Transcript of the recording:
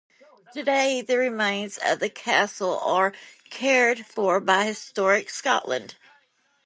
Today, the remains of the castle are cared for by Historic Scotland.